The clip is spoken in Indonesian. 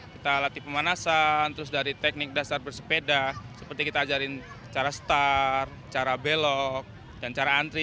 kita latih pemanasan terus dari teknik dasar bersepeda seperti kita ajarin cara star cara belok dan cara antri